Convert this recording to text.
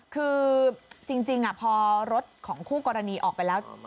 คือจริงพอรถของคู่กรณีออกไปแล้ว